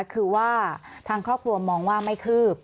คือว่าทางครอบครัวมองว่าไม่คืบ